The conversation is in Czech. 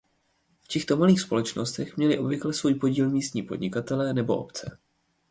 V těchto malých společnostech měly obvykle svůj podíl místní podnikatelé nebo obce.